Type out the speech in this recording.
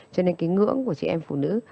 cho nên cái ngưỡng của chị em phụ nữ